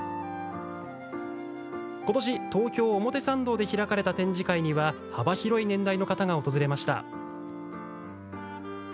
ことし東京・表参道で開かれた展示会には幅広い年代の方が訪れました。